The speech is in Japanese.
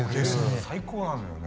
最高なのよね。